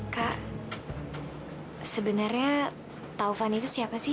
kak sebenarnya taufan itu siapa sih